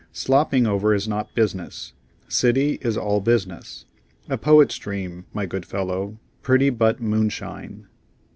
Slopping over is not business. City is all business. A poet's dream, my good fellow; pretty but moonshine!"